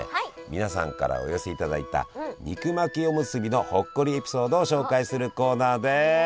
皆さんからお寄せいただいた肉巻きおむすびの「ほっこりエピソード」を紹介するコーナーです！